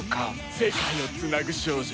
世界をつなぐ少女。